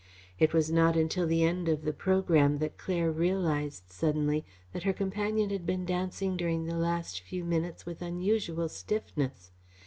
It was not until the end of the programme that Claire realised suddenly that her companion had been dancing during the last few minutes with unusual stiffness.